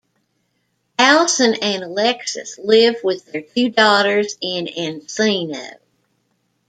Alyson and Alexis live with their two daughters in Encino.